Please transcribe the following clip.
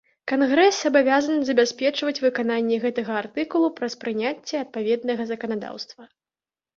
Кангрэс абавязан забяспечваць выкананне гэтага артыкулу праз прыняцце адпаведнага заканадаўства.